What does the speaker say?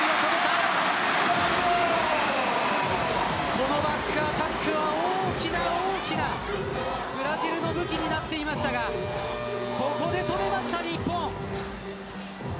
このバックアタックは大きな、大きなブラジルの武器になっていましたがここで止めました、日本。